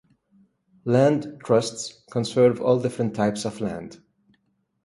Land trusts conserve all different types of land.